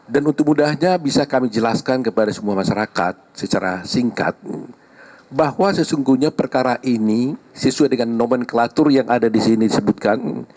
dan untuk mudahnya bisa kami jelaskan kepada semua masyarakat secara singkat bahwa sesungguhnya perkara ini sesuai dengan nomenklatur yang ada di sini disebutkan